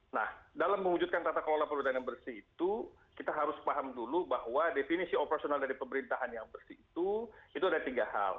nah dalam mewujudkan tata kelola pemerintahan yang bersih itu kita harus paham dulu bahwa definisi operasional dari pemerintahan yang bersih itu itu ada tiga hal